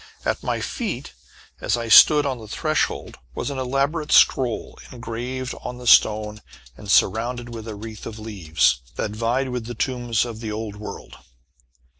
At my feet, as I stood on the threshold, was an elaborate scroll engraved on the stone and surrounded with a wreath of leaves, that vied with the tombs of the old world.